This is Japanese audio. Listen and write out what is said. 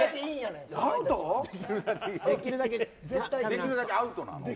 できるだけアウトなの？